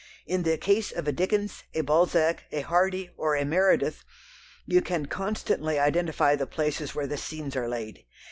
In the case of a Dickens, a Balzac, a Hardy or a Meredith, you can constantly identify the places where the scenes are laid.